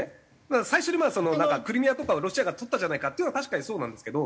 だから最初にクリミアとかをロシアがとったじゃないかっていうのは確かにそうなんですけど。